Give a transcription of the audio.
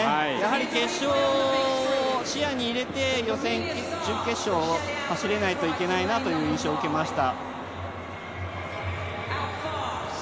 決勝を視野に入れて予選、準決勝を走らないといけないなという印象を受けました。